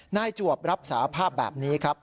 จวบรับสาภาพแบบนี้ครับ